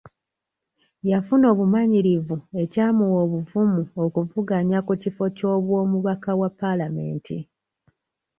Yafuna obumanyirivu ekyamuwa obuvumu okuvuganya ku kifo ky'obwomubaka wa paalamenti.